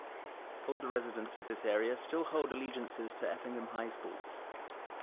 Older residents of this area still hold allegiances to Effingham High School.